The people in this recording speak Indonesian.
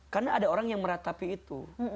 karena ada orang yang meratapi itu